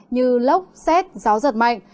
như lốc xét gió giật mạnh